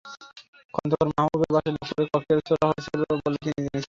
খন্দকার মাহাবুবের বাসা লক্ষ্য করে ককটেল ছোড়া হয়েছে বলেও তিনি জেনেছেন।